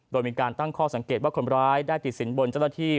โดยมีการตั้งข้อสังเกตว่าคนร้ายได้ติดสินบนเจ้าหน้าที่